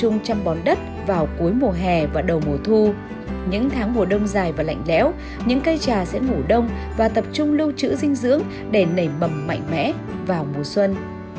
những tháng mùa đông dài và lạnh lẽo những cây trà sẽ ngủ đông và tập trung lưu trữ dinh dưỡng để nảy mầm mẽ vào mùa xuân